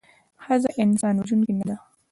ښځه انسان وژوونکې نده